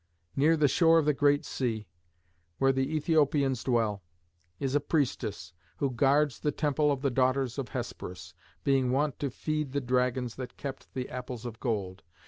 Near the shore of the Great Sea, where the Æthiopians dwell, is a priestess, who guards the temple of the daughters of Hesperus, being wont to feed the dragons that kept the apples of gold.